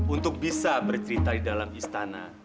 untuk bisa bercerita di dalam istana